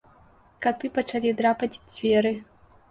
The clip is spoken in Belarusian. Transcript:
Каты пачалі драпаць дзверы.